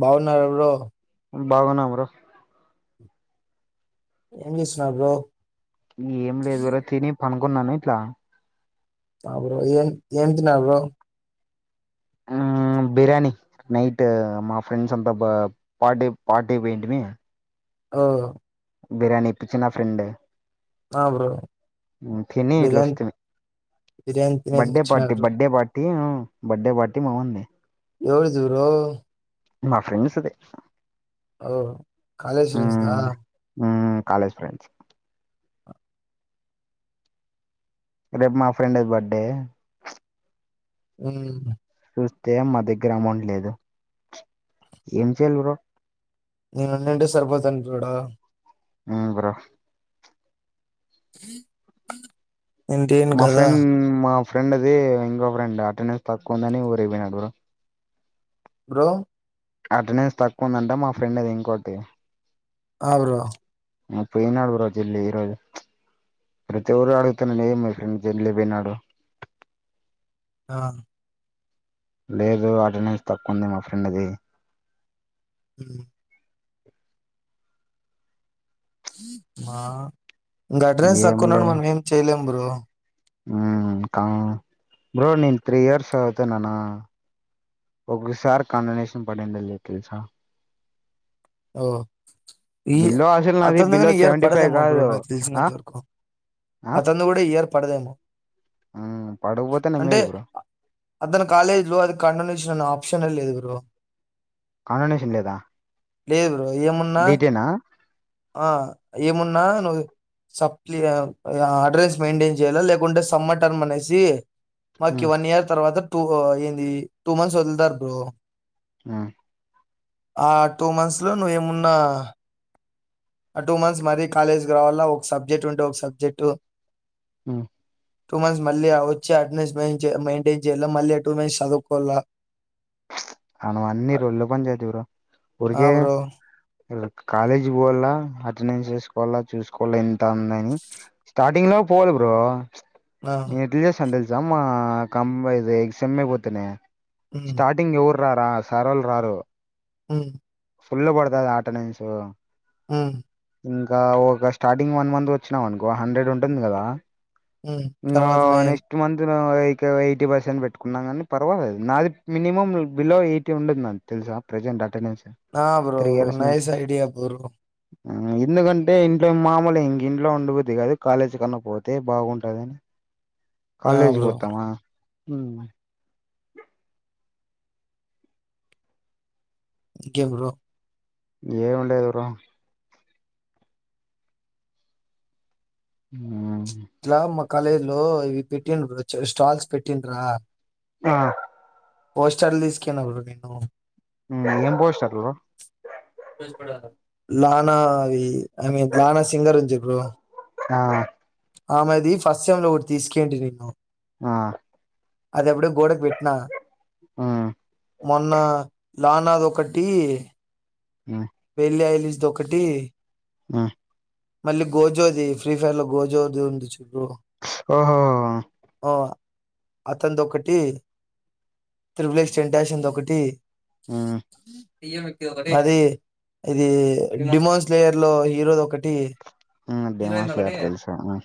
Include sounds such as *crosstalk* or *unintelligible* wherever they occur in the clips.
బావున్నారు ఎవరో బాగున్నా మరా ఎంస్తునా బో ఏం లేదు వర తని పనుకున్నాను అ బ్రో ఏన్ ఎంతనా బ్రో బిర్యానీ నైట్ మా ఫ్రెండ్స్ అంతా పార్టీ పార్టీ అయిపోయింటి మీ ఆ బిర్యానీ ఇప్పించిన ఫ్రెండ్ ఆ బ్రో తిని ఇట్లా బిర్యానీ వస్తంది బిర్యానీ తినేసి బర్త్డే వచ్చినారు పార్టీ బ్రో బర్త్డే పార్టీ ప బడ్డే పార్టీ మాన్ ఏడు దూరు మా ఫ్రెండ్స్ అదే ఓ కాలేజ్ ఫ్రె మ్మ్ కాలేజ్ ఫ్రెండ్స్ రేపు మా ఫ్రెండ్ బర్త్డే అవు చూస్తే మా దగ్గర అమ్ండలేదు ఏం చేయలే నేనున్నంటే సరిపోతానుడ ఉ బరా హ మా ఫ్రెండ్ మా ఫ్రెండ్ అది ఇంకో ఫ్రెండ్ అటెండెన్స్ తక్కువ ఉందని ఊరే పోయినాడు బ్రో అటెండెన్స్ తక్కువ ఉందంట మా ఫ్రెండ్ ది ఇంకోటి అ బ్రో ఆ పోయినాడు బ్రో జల్దీ ఈరోజు, ప్రతి రోజు అడుగుతునా ఏ ఫ్రెండ్ జల్దీ పోయినాడు ఆ లేదు అటెండెన్స్ తక్కువ ఉంది మా ఫ్రెండ్ది మ్ మా ఇంకా ఆగడ్డ్రెస్ ఏం లే తక్కున్నాడు మన ఏంయలేము బ్రో ఉమ్ ఇంకా బ్రో నను త్రీ ఇయర్స్ చదుతునాన్న ఒకసారి కండనేషన్ పడింది కల్సా ఓ ఈ బిలో అసలు నాది అతను బిలో కానీ ఇయర్ సెవెంటీ ఫైవ్ పడదేమో బ్ర కాదు నాకు ఆ తెలిసినంత వరకు ఆ అతను కూడా ఇయర్ పడదేమో ఉమ్ పడకపోతేనే అంటే మేలు బ్రో అతని కాలేజీ లో అది కండ నుచ్చిన ఆప్షన్ లేదు లో కండనేషన్ లేదా లేధు ఏమున్నా డీటేనా ఆ ఏమున్నా నువ్వు సప్లి అడ్రస్ మెయింటైన్ చేయాల లేకుంటే సమ్మటన్ అనేసి మాకి ఉమ్ వన్ ఇయర్ తర్వాత టూ ఏంది టూ మంత్స్ వల్దారు బ్రో ఆ ఆ టూ మంత్స్ లో నువ్వేమున్నా ఆ టూ మంత్స్ మరీ కాలేజీకి రావాలా ఒక సబ్జెక్ట్ ఉంటే ఒక సబ్జెక్టు ఉమ్ టూ మంత్స్ మళ్ళీ వచ్చి అటెండెన్స్ మ మెయింటైన్ చేయ మళ్ళీ టూ మంత్స్ చవుకోల అను అన్నిరు ఒళ్ళు బం అది ఇవరు ఆ ఉరికే బ్రో లో కాలేజీ పోవాల అటెండెన్స్ చేసుకోవాలా చూసుకోవాల ఎంత ఉందని స్టార్టింగ్ లో పోవాలి బ్రో ఆ, నెన్ ఎట్లా చెస్తాన్ టెల ఎజమ్ క ఆ సెమె అయ్‌పోథేన్ ఉమ్, స్టార్టింగ్ ఎవరు రారా సారలు రారు ఉమ్ ఫుల్ పడతాది అటెండెన్స్ ఉ ఇంకా ఒక స్టార్టింగ్ వన్ మంత్ వచ్చినాం అనుకో హండ్రెడ్ ఉంటుంది కదా ఉమ్. ఇకా తర్వాత మెయిన్ నెక్స్ట్ మంత్ ఉమ్ ఓకా ఎయిటీ పర్సెంట్ పెట్టుకున్నా కాని పర్వాలేదు నాది మినిమం బిలో ఎయిటీ ఉండాదు నాది తెలుసా ప్రెజెంట్ అటెండెన్స్ ఆ బ్రో త్రీ ఇయర్స్ నుంచి నైస్ ఐడియా బ్రో ఎందుకంటే ఇంట్లో మామూలు ఇంక ఇంట్లో ఉంండపోద్ది కాదు కాలేజీ కన్నా పోతే బాగుంటదని ఆ కాాలేజ్ బ్రో పోతామా ఉమ్ ఇంకెం బ్రో ఏమింలేదు బ్రో ఆ ఇట్లా మా కాలేజీ లో ఇవి పెట్టిన్ర స్టాల్స్ పెట్టిండ్రా ఆ పోస్టర్ తీసుకొనివెళ్ళిన బ్రో నేను హ్మ్ *unintelligible* పోస్టర్ బ్రో లానా అది ఐమీన్, లనా సింగరుంద్ జూ బ్రో ఆ ప్చ్ ఆమెది ఫస్ట్ సెమ్ లో ఒకటి తీస్కేయండి. నిన్ను ఆ అది అబుడే గోడకు వెట్ట్నా మ్మ్ మొన్నా లానాదొకటి ఉ పెళ్లి ఐలిస్ దొకటి హ్మ్ మళ్ళీ గోజోది ఫ్రీఫైర్ లో గోజోది ఉంది. చూడు ఓహో అ అతందొకటి త్రిపులేస్, టెంటాషందొకటి మ్మ్ అది ఇది డిమోన్స్ లేయర్ లో, హీరోదొకటి హ్మ్ భాషలడ్తదిషము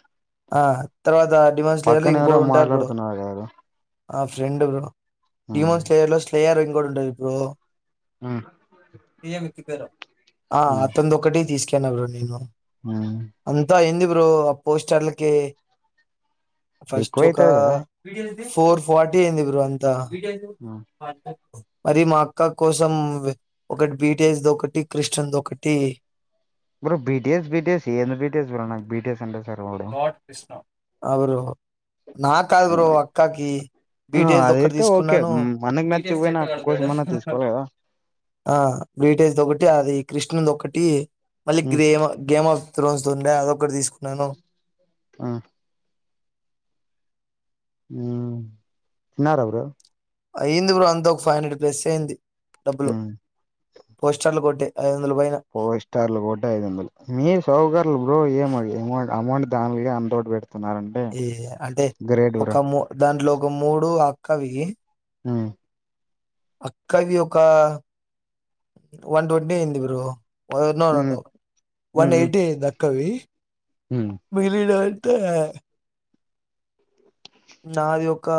ఆ తర్వాత డిమన్ పక్కనే ఎవరో మాట్లాడుతున్నారు. ఎవరో ఆ ఫ్రెండొకడు డిమోన్ స్లేయర్ 'లో స్లేయర్ రిం క్కడుంటది బ్రో మ్మ్ ఈయమితుక్ పేర ఆ మ్మ్ అతందొక్కటి దీస్ కెన్నా బ్రో నిన్ను మ్మ్ అదంతా ఏంది బ్రో ఆ పోస్టర్లకి ఫస్ట్ ఎక్కువ ఒకా అయితది కదా ఫోర్ ఫార్టీ ఎయ్యింది. బ్రో అంతా వీడెందొ పార్టీ అది మా అక్క కోసం వే, ఒకటి బీటేస్ దొకటి క్రిష్టన్ దొకటి bro B T S B T S ఏంది. బి టి ఎస్ బ్రో నాగ్ B T S God Krishna అవుర్రు నాక్కాదు, బ్రో అక్కాకి బీ ఆ టి ఎస్ దొకటి అదైతే ఓకే దీస్కున్నాను. ఆ మ్, మనకి నచ్చకపోయినా అక్క కోసమన్నా తీసుకోవాలి కదా బీ ట్ ఎస్ ది ఒకటి అది కృష్ణుది ఒకటి టీ మళ్ళీ మ్, గిది ఏమో, గేమోఫ్ త్రోస్ స్తుందా అదొక్కటి తీసు నను ఆ ఊమ్ తిన్నారా బ్రో అయింది బ్రో అంత ఒక ఫైవ్ హండెడ్ పస్ అయింది డబ్బులు మ్, పోస్టర్లు కొట్టే ఐదు వందల పైన ఫోస్టార్లు కొట్టె ఐదు వందలు మీరు సౌకర్లు బ్రో ఏమో ఏమో అమౌంట్ దాన్ మీదే అంతోటి వెడితే ఏ అంటే ఒక మో దాంట్లో ముడు అక్కవి ఆ అక్కవి ఒక వన్ ట్వంటీ అయింది బ్రో ఓ మ్, నోను మ్, వన్ మ్, ఎయిటీ అయిదా కవి మ్, మిగిలిన తే నాది ఒక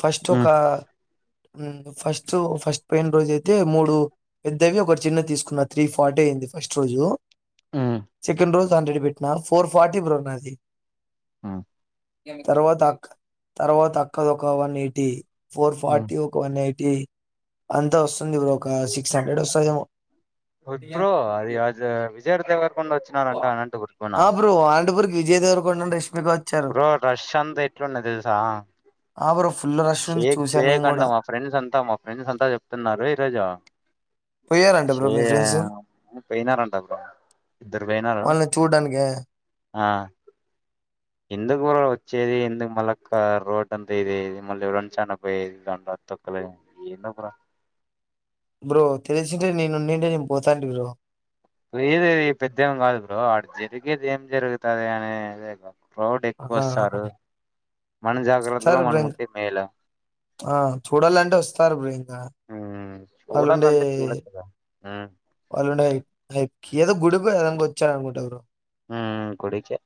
ఫస్ట్ ఒక ఉ ఫస్ట్ ఫస్ట్ పోయిన రోజు అయితే మూడు పెద్దవి ఒకటి చిన్నది తీసుకున్నా త్రీ ఫార్టీ అయింది ఫస్ట్ రోజు మ్, సెకండ్ రోజు హండ్రెడ్ పెట్టిన ఫోర్ ఫార్టీ బ్రో నాది ఆ ఏంటి తర్వాత అక్క తర్వాత అక్కది ఒక వన్ ఎటి ఫోర్ మ్. ఫార్టీ ఒక వన్ ఎయి టి అంతోస్ అంది ఒక సక్స్ హన్డ్రేడ్ వస్తాదేమో బ్రో అది విజయ దేవరకొండ వచ్చినారంట అనంతపూర్ కి అవునా ఆ బ్రో అనంతపూర్ కి విజయ దేవరకొండను రష్ వచ్చారు క్షంత ఎట్లున్నాయి తెలుసా ఆ బ్రో ఫుల్ రష్ ఉంది షేక్ చూసాను షేక్ నేను అంట కూడా మా ఫ్రెండ్స్ అంత మా ఫ్రెండ్స్ అంతా చెప్తున్నారు ఈరోజు పోయారంట బ్రో షే మీ ఫ్రెండ్స్ పోయినారంటప్పు ఇద్దరు పోయినారు వాళ్ళని చూడ్డానికి ఆ ఎందుకుర వచ్చేది ఎందుకు మళ్ళక్క రోడ్ అంతా ఇద ఇది మళ్ళీ ఎవరన్నా చన్నపోయేది దం తొక్కలే ఏందో కూడా బ్రో తెలిసింటే నేనున్నింటే నేను పోతాంటి బ్రో పోయేది పెద్దేమి కాదు బ్రో అడ జరిగేది ఏం జరుగుతుంది అనేది క్రౌడ్ ఎక్కువ ఆ వస్తారు మన జాగ్రత్తలో సరే బ్రో మనం ఇంక ఉంటే మేల ఆ చూడాలంటే వస్తారు బ్రో ఉమ్ వాళ్ళుండే చూడాలంటే చూడొచ్చు కదా ఉమ్ వాళ్ళుండయి ఏదో గుడిగు ఏ దానికో వచ్చారనుకుంట బ్రో ఊ కుడిచే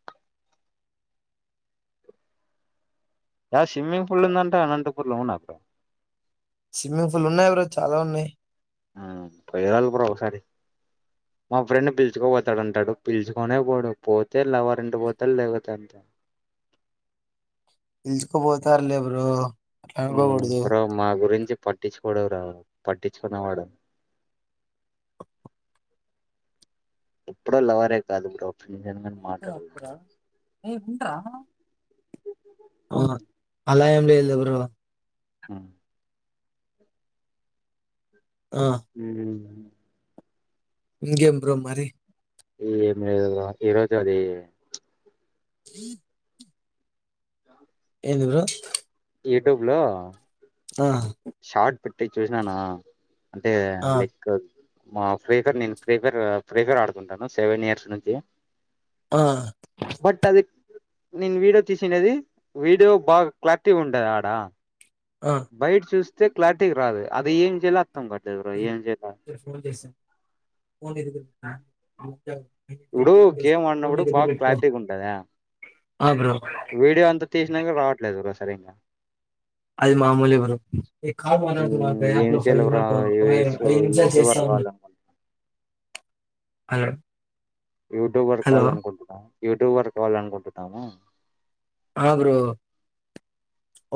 అ షిమ్మింగ్ పూల్ ఉందంట అనంటూ కు లోనక స్విమ్మింగ్ పూల్ ఉన్నాయి బ్రో చాలా ఉన్నాయి ఊ పోయరలె బ్రో ఒకసారి మా ఫ్రెండ్ పిలుచుకోపోతాడంటాడు పిలుచుకోనే పోడు పోతే లవరెంట పోతాడు లేకపోతే అంతే పిలుచుకుపోతారులే బ్రో అట్లా ఊ అనుకోకూడదు బ్రో మా గురించి పట్టించుకోడు ఆ పట్టించుకునె వాడు ఎప్పుడు లవరే కాదు బ్రో హుమ్ ఏమైనా మాటడు ఏ ఉండ్రా అవునా అలా ఏం లేదు బ్రో ఉమ్ ఆ ఊమ్ ఇకేం బ్రో మరి ఏమో ఏదో నాకు ఈ రోజది *unintelligible* ఏంది బ్రో యూట్యూబ్ లో ఆ షార్ట్ పెట్టి చూష్నానా అంటే ఆ లెక్కు మా ఫ్రెకర్ నేను ఫ్రెకర్ ఫ్రెకర్ ఆడుతుంటాను సెవెన్ ఇయర్స్ నుంచి ఆ బట్ అది నేను వీడియో తీసినది వీడియో బాగా క్లారిటీ ఉంటది ఆడ ఆ బయట చూస్ స్తే క్లారిటీ రాదు అది ఏం చేయాల అర్థం కాట్లేదు బ్రో ఏ ఏం నేను ఫోన్ చేసా ఫోన్ ఇదిగో అమ్ ఇప్పుడు గేమ్ ఆడినప్పుడు బా పెట్టుకో క్లారిటీ గుంటద ఆ బ్రో వీడియో అంతా తీసినాక రావట్లేదు బ్రో రింగ అది మామూలే బ్రో ఉమ్, ఏం చేయాలి బ్రో యూఎస్ యూట్యూబర్ కావాలనుకు యూట్యూబర్ హలో కావాలనుకుంటున్నా యూట్యూబర్ కావాలనుకుంటున్నాను ఆ బ్రో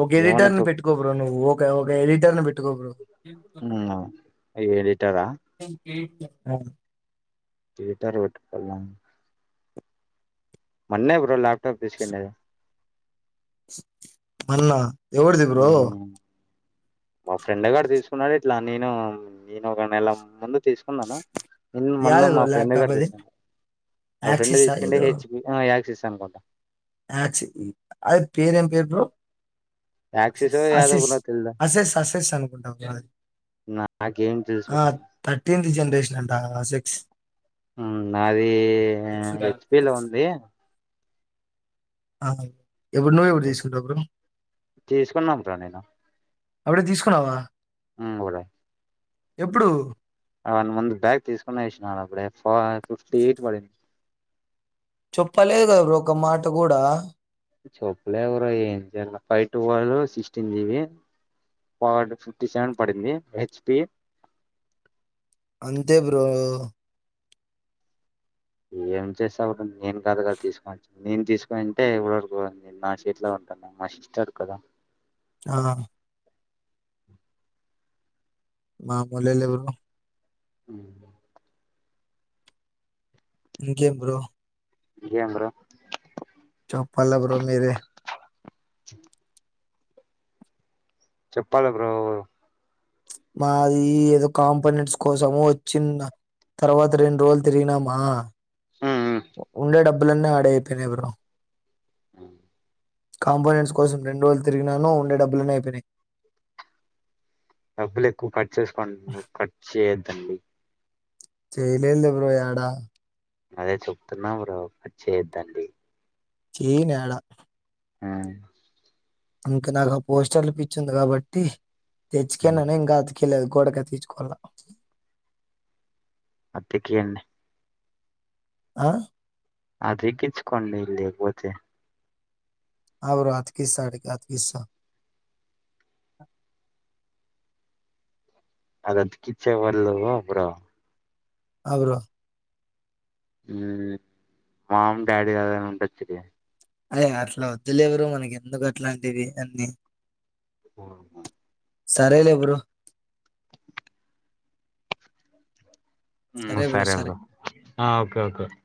ఒక ఏమన్నా ఎడిటర్ ను చెప్ పెట్టుకో బ్రో నువ్వు ఒక ఒక ఎడిటర్ ని పెట్టుకో బ్రో ఎడిటరా ఏయీట్ ఏఫేం హీటర్ వేట్టు కోవల్ల మొన్నే బ్రో లాక్ తప్పు తీసుకెళ్లినది మాల్లా ఎవడిది బ్రో ఉమ్, మా ఫ్రెండ్ గాడు తీసుకున్నాడు. ఇట్లా నేను నేను ఒక నెల ముందు తీసుకున్నాను. నిన్న మొన్న మా ఫ్రెండ్ గాడు దెచ్చుకున్నాడు. మా ఫ్రెండ్ తీసుకందే ఎచ్ పి యాసుస్ అనుకుంటా అక్కీస్ ఈ అది పేరేం పేరు బ్రో యాక్సిస్ యాదో అసెస్ బ్రో తెల్దు అసెస్ అసెస్ అనుకుంటావు ఆ అది నాకేం తెలుసు ఆ బ్రో థర్టీన్త్ జనరేషన్ అంటా ఆ సిక్స్ ఉ నాది ఎచ్ పి లో ఉంది. ఆ బ్రో ఎప్పుడు నువ్ ఎప్పుడు తీసుకుంటావ్ బ్రో తీసుకున్నాం బ్రో నేను అప్పుడే తీసుకున్నావా *unintelligible* ఎప్పుడు వన్ మంత్ బ్యాక్ తీసుకునేసినను అప్పుడే *unintelligible* ఫిఫ్టీ ఎయిట్ పడింది. చెప్పలేదు గాదా బ్రో ఒక మాట కూడా చేప్పులే బ్రో ఏం చేయల ఫైవ్ టువల్వ్ సిక్స్టీన్ జీబి ఫట్ ఫిఫ్టీ సెవెన్ పడింది. ఎచ్ పీ అంతే బ్రో ఏం చేసావు నేను కాదు కా తీసుకోచ్చ నేను తీసుకోనింటే ఇప్పటివరకు ఉంది. నా చేతిలో ఉంటుంద. మా సిస్టర్ కు కదా ఆ మామూలేలే బ్రో హ్ ఇంకేం బ్రో ఇంకేం బ్రో చేప్పల్లే బ్రో మీరే చెప్పాలే బ్రో మాది ఏదో కాంపోనెంట్స్ కోసము వోచ్చిన్న తర్వాత రెండు రోజులు తిరిగినామా హ్మ్ ఉండే డబ్బులన్నీ ఆడే అయిపోయినాయి. బ్రో హ్మ్ కాంపోనెంట్స్ కోసం రెండు రోజులు తిరిగినాను. ఉండే డబ్బులన్నీ అయిపోయినాయి. డబ్బులు ఎక్కువ కర్చ్ చేసుకో నువ్ కర్చ్ చేయాద్ అండి చెయ్యలేదులే బ్రో యేడ అదే చెప్తున్నాం బ్రో చేయద్దండి చేయను యాడ ఆ ఇంక నాకు ఆ పోస్టర్లు పిచ్చుంది కాబట్టి ఆ తెచ్చకన్నాను ఇంకా కీయలేదు గోడకి అతికిచుకోవాలా అతికియండి ఆ అతికించుకోండి లేకపోతే ఆ బ్రో అతికిస్తా అతికిస్తా అది అతికించేవాళ్ళు బ్రో ఆ బ్రో మ్ మామ్ డాడీ అని ఉండొచ్చుగా అయ అట్లా వద్దులే బ్రో మనకి ఎందుకు అట్లాంటివి అన్నీ ఆహా సరేలే బ్రో సరే బ్రో ఓకే ఓకే